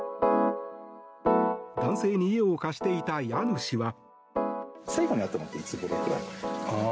男性に家を貸していた家主は。